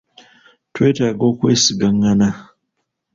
Twetaaga okwesigangana.